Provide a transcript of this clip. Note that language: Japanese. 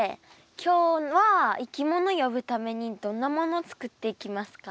今日はいきもの呼ぶためにどんなもの作っていきますか？